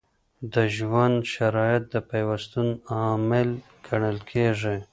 د ژوند شرایط د پیوستون عامل ګڼل کیږي.